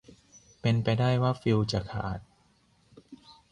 เป็นไปได้ว่าฟิวส์จะขาด